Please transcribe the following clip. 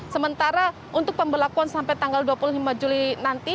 sementara untuk pembelakuan sampai tanggal dua puluh lima juli nanti